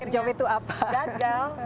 terus jawab itu apa